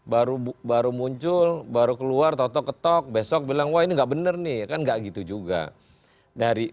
baru baru muncul baru keluar toto ketok besok bilang wah ini enggak bener nih kan enggak gitu juga dari